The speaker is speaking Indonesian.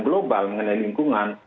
global mengenai lingkungan